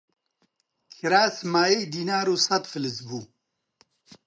کراس مایەی دینار و سەت فلس بوو